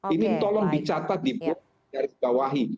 ini tolong dicatat di bawah